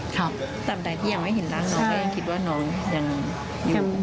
ตามใดที่ยังไม่เห็นร่างน้องก็ยังคิดว่าน้องยังยัง